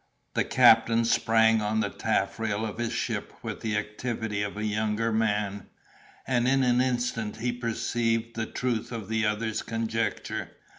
The captain sprang on the taffrail of his ship with the activity of a younger man, and in an instant he perceived the truth of the other's conjecture.